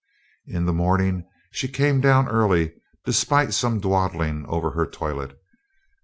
In the morning she came down early, despite some dawdling over her toilet.